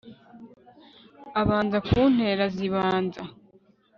abanza ku ntera zibanza